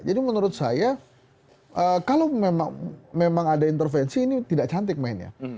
jadi menurut saya kalau memang ada intervensi ini tidak cantik mainnya